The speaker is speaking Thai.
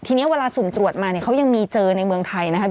ทีนี้เวลาสุ่มตรวจมาเนี่ยเขายังมีเจอในเมืองไทยนะครับ